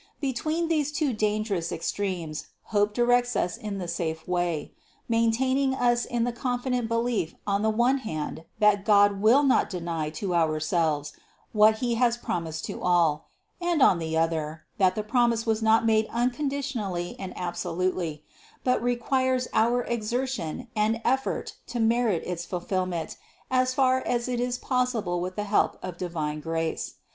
Between these two dangerous extremes hope di rects us in the safe way, maintaining us in the confident belief on the one hand that God will not deny to our selves what He has promised to all, and on the other, that the promise was not made unconditionally and ab solutely, but requires our exertion and effort to merit its fulfillment as far as it is possible with the help of divine grace.